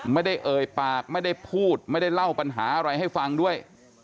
ไม่ได้เอ่ยปากไม่ได้พูดไม่ได้เล่าปัญหาอะไรให้ฟังด้วย